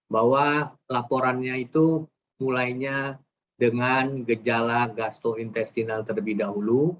bahwa laporannya itu mulainya dengan gejala gastrointestinal terlebih dahulu